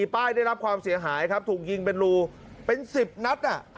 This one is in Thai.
ป้ายได้รับความเสียหายครับถูกยิงเป็นรูเป็น๑๐นัด